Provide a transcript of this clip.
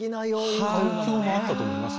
環境もあったと思います。